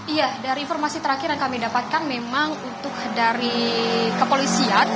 iya dari informasi terakhir yang kami dapatkan memang untuk dari kepolisian